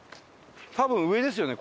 多分上ですよね？